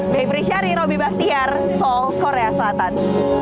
bebri syari robby bakhtiar seoul korea selatan